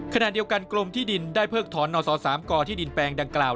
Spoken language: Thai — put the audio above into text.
สมมุติการเจ้าตัวเสียชีวิตก่อน